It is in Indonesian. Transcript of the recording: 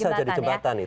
ya bisa jadi jembatan